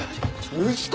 息子！？